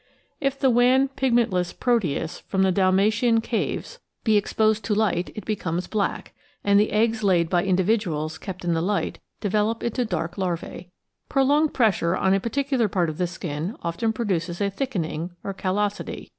If the wan pigmentless Proteus from the Dalmatian caves be exposed to light it becomes black, and the eggs laid by indi viduals kept in the light develop into dark larvae. Prolonged pressure on a particular part of the skin often produces a thick ening or callosity.